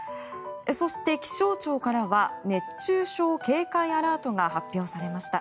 そして気象庁からは熱中症警戒アラートが発表されました。